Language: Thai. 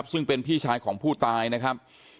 ซึ่งเป็นพี่ชายของผู้ตายนะครับ